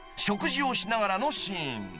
食事をしながらのシーン］